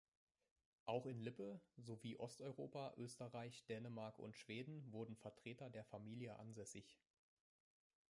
Auch in Lippe, sowie Osteuropa, Österreich, Dänemark und Schweden wurden Vertreter der Familie ansässig.